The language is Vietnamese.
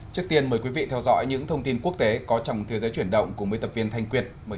trước tiên mời quý vị theo dõi những thông tin quốc tế có trong thế giới chuyển động cùng với tập viên thanh quyền